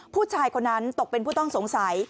ผู้ชายคนนั้นตกเป็นผู้ต้องสงสัย